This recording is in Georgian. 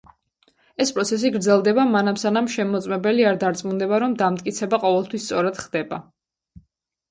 ეს პროცესი გრძელდება, მანამ სანამ შემმოწმებელი არ დარწმუნდება, რომ დამტკიცება ყოველთვის სწორად ხდება.